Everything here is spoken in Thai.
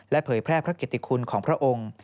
เผยแพร่พระเกติคุณของพระองค์